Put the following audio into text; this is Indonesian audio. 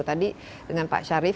tadi dengan pak sharif